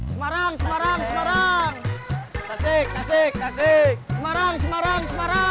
semarang sembarang sembarang